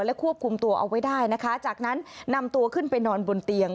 ควบคุมตัวเอาไว้ได้นะคะจากนั้นนำตัวขึ้นไปนอนบนเตียง